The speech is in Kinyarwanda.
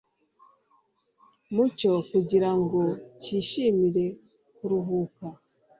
wacyo, kugira ngo cyishimire kuruhuka,